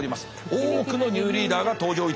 多くのニューリーダーが登場いたしました。